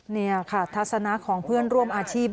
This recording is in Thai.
นี่ค่ะทัศนะของเพื่อนร่วมอาชีพ